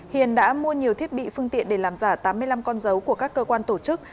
hiền đã mua nhiều thiết bị phương tiện để làm giả tám mươi năm con dấu của các cơ quan tổ chức